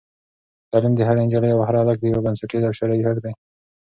تعلیم د هرې نجلۍ او هر هلک یو بنسټیز او شرعي حق دی.